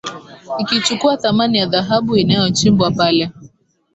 ikichukua thamani ya dhahabu inayochimbwa pale